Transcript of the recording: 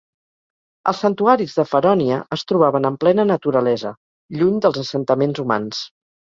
Els santuaris de Ferònia es trobaven en plena naturalesa, lluny dels assentaments humans.